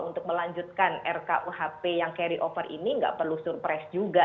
untuk melanjutkan rkuhp yang carry over ini nggak perlu surprise juga